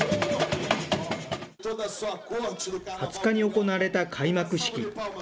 ２０日に行われた開幕式。